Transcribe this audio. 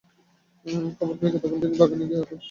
খবর পেয়ে গতকাল সকালে তিনি বাগানে গিয়ে কাটা গাছ পড়ে থাকতে দেখেন।